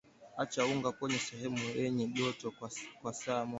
acha unga kwenye sehemu yenye joto kwa saa moja